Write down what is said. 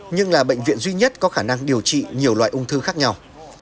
nhất có khả năng điều trị nhiều loại ung thư khác nhau